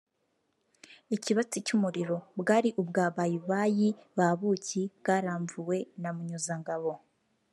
”Ikibatsi cy’umuriro “bwari ubwa Bayibayi ba Buki bwaramvuwe na Munyuzangabo